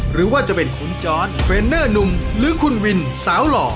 หรือว่าจะเป็นคุณจอร์ดเฟรนเนอร์หนุ่มหรือคุณวินสาวหล่อ